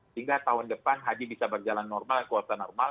sehingga tahun depan haji bisa berjalan normal kuasa normal